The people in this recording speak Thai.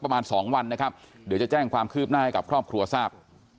ประมาณสองวันนะครับเดี๋ยวจะแจ้งความคืบหน้าให้กับครอบครัวทราบ